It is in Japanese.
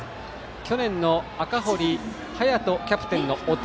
去年の赤堀颯キャプテンの弟